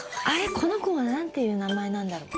この子は何ていう名前なんだろう？